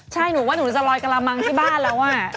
ใช่หนูว่าหนูจะลอยกระมังที่บ้านแล้ว